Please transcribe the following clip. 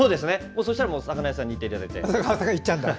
そうしたら魚屋さんに行っていただいて。